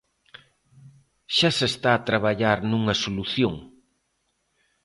Xa se está a traballar nunha solución.